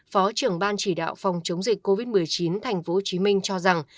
phó trưởng ban chỉ đạo phòng chống dịch covid một mươi chín tp hcm cho rằng